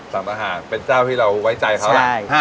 สั่งอาหารเป็นเจ้าที่เราไว้ใจเขาล่ะ